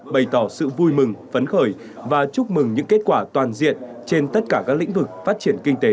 bày tỏ sự vui mừng phấn khởi và chúc mừng những kết quả toàn diện trên tất cả các lĩnh vực phát triển kinh tế